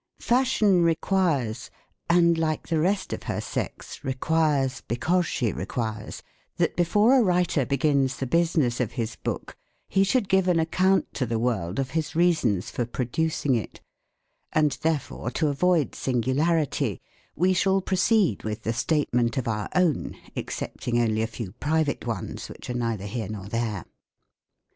Fashion requires, and like the rest of her sex, requires be cause she requires, that before a writer begins the business of his book, he should give an account to the world of his reasons for producing it; and therefore, to avoid singularity, we shall proceed with the statement of our own, excepting only a few private ones, which are neither here nor there.